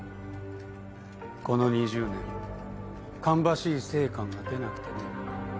この２０年芳しい成果が出なくてね。